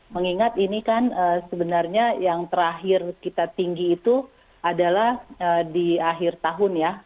mengingat ini kan sebenarnya yang terakhir kita tinggi itu adalah di akhir tahun ya